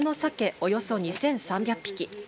およそ２３００匹。